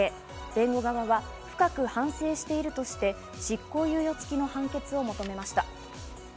弁護側は、深く反省しているとして執行猶予付きの判決を求めました。